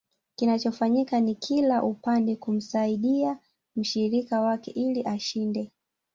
Kinachofanyika ni kila upande kumsaidia mshirika wake ili ashinde